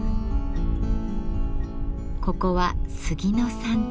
ここは杉の産地。